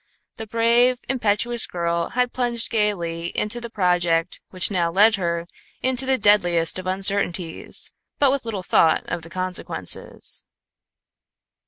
The brave, impetuous girl had plunged gaily into the project which now led her into the deadliest of uncertainties, with but little thought of the consequences.